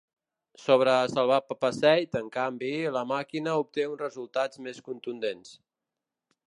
Sobre Salvat-Papasseit, en canvi, la màquina obté uns resultats més contundents.